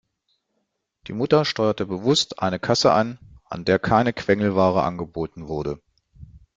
Die Mutter steuerte bewusst eine Kasse an, an der keine Quengelware angeboten wurde.